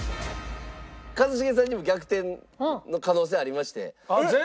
一茂さんにも逆転の可能性ありまして。